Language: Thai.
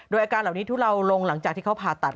โดยอาการเหล่านี้ทุเลาลงหลังจากที่เขาผ่าตัด